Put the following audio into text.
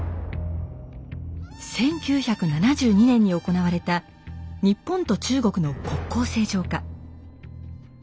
１９７２年に行われた日本と中国の国交正常化。